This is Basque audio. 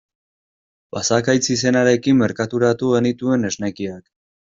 Basakaitz izenarekin merkaturatu genituen esnekiak.